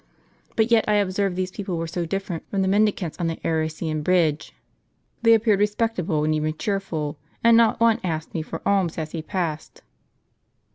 But yet I observed these people were so different from the mendicants on the Arician bridge.* They appeared respectable and even cheerful; and not one asked me for alms as he passed."